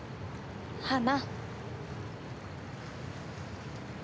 花。